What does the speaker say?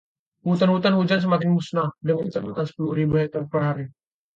Hutan-hutan hujan semakin musnah dengan kecepatan sepuluh ribu hektar per hari.